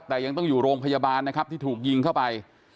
แต่ยังต้องอยู่โรงพยาบาลนะครับที่ถูกยิงเข้าไป